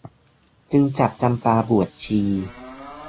จึงจับจำปาบวชชี